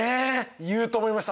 言うと思いました。